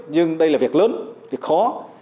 nhưng đây là việc lớn việc khó